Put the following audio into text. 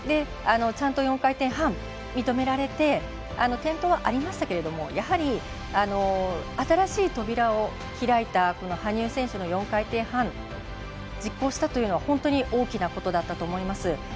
ちゃんと４回転半認められて転倒はありましたけれどもやはり新しい扉を開いた羽生選手の４回転半実行したというのは本当に大きなことだったと思います。